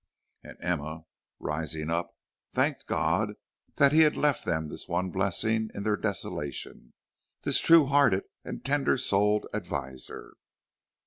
And Emma, rising up, thanked God that he had left them this one blessing in their desolation this true hearted and tender souled adviser.